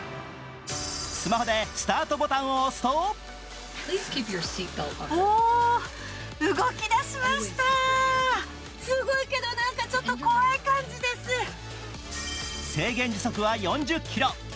スマホでスタートボタンを押すと制限時速は４０キロ。